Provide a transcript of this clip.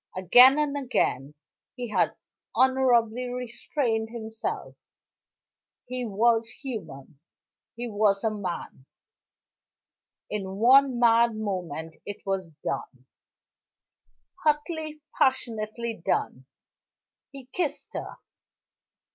Again and again he had honorably restrained himself he was human; he was a man in one mad moment it was done, hotly, passionately done he kissed her.